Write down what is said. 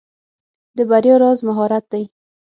د بریا راز مهارت دی.